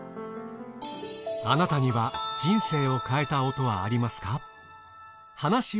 あなたには人生を変えた音はありますか？